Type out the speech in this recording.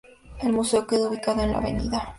El museo queda ubicado en la Av.